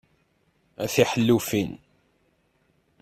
A tiḥellufin!